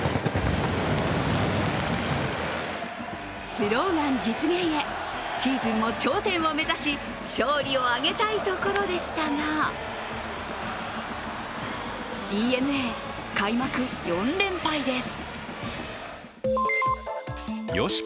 スローガン実現へシーズンも頂点を目指し勝利を挙げたいところでしたがＤｅＮＡ、開幕４連敗です。